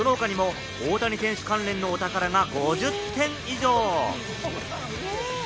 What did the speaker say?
その他にも大谷選手関連のお宝が５０点以上。